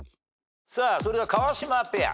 それでは川島ペア。